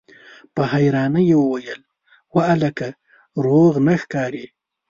په حيرانۍ يې وويل: وه هلکه! روغ نه ښکارې!